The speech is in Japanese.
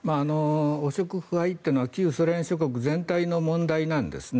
汚職・腐敗というのは旧ソ連諸国全体の問題なんです。